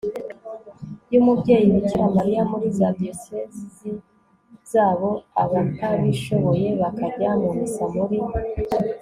y'umubyeyi bikira mariya muri za diyosezi zabo, abatabishoboye bakajya mu missa muri